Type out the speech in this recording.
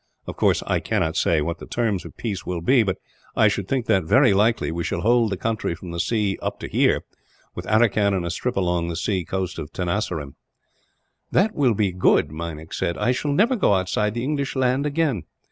Of course, I cannot say what the terms of peace will be; but I should think that, very likely, we shall hold the country from the sea up to here, with Aracan and a strip along the sea coast of Tenasserim." "That will be good," Meinik said. "I shall never go outside the English land, again.